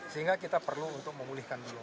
sehingga kita perlu untuk memulihkan beliau